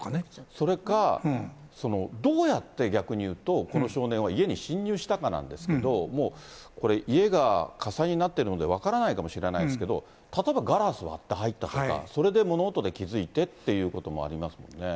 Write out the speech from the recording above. それか、そのどうやって逆に言うと、この少年は家に侵入したかなんですけど、もうこれ、家が火災になっているので、分からないかもしれないですけど、例えばガラス割って入ったとか、それで物音で気付いてっていうこともありますもんね。